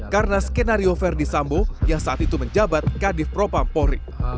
karena skenario verdi sambo yang saat itu menjabat kadif propam pohri